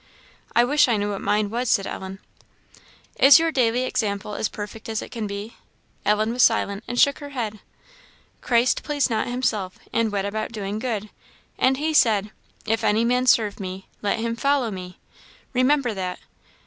"I wish I knew what mine is," said Ellen. "Is your daily example as perfect as it can be?" Ellen was silent, and shook her head. "Christ pleased not himself, and went about doing good; and he said, 'If any man serve me, let him follow me.' Remember that.